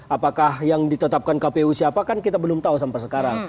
apakah yang ditetapkan kpu siapa kan kita belum tahu sampai sekarang